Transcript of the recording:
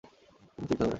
কোনো চুক্তি হবে না।